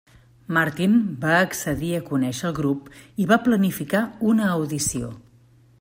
Martin va accedir a conèixer el grup i va planificar una audició.